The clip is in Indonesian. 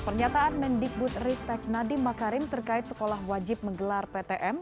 pernyataan mendikbud ristek nadiem makarim terkait sekolah wajib menggelar ptm